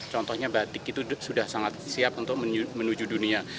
contohnya batik itu sudah sangat siap untuk menuju dunia